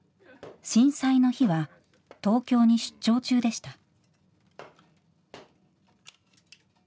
震災の日は東京に出張中でした。